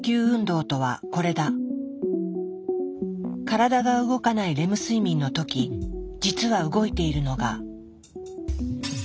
体が動かないレム睡眠の時実は動いているのが。